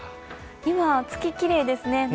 今、月、きれいですね。